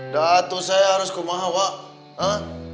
datu saya harus kemah abah